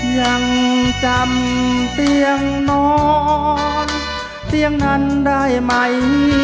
ยังจำเตียงนอนเตียงนั้นได้ไหม